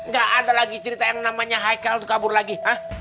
gak ada lagi cerita yang namanya heikal kabur lagi